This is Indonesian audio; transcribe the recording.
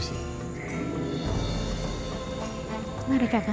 silahkan duduk di sini kak